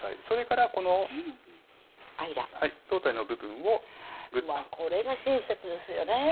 それからこの間胴体の部分をぐっとこれが親切ですよね